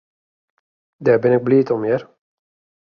Dêr bin ik bliid om, hear.